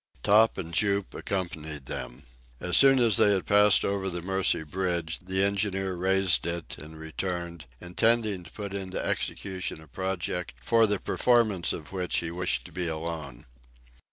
Top and Jup accompanied them. As soon as they had passed over the Mercy Bridge, the engineer raised it and returned, intending to put into execution a project for the performance of which he wished to be alone.